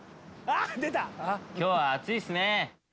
今日は暑いっすね。